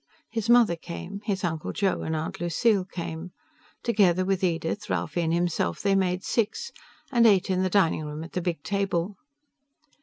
His mother came; his Uncle Joe and Aunt Lucille came. Together with Edith, Ralphie and himself, they made six, and ate in the dining room at the big table.